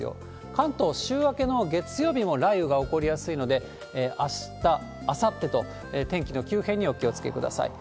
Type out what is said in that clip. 関東、週明けの月曜日も雷雨が起こりやすいので、あした、あさってと、天気の急変にお気をつけください。